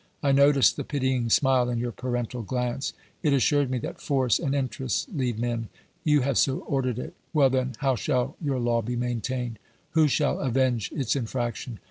I noticed the pitying smile in your parental glance. It assured me that force and interests lead men. You have so ordered it. Well then, how shall your law be maintained ? Who shall avenge its infraction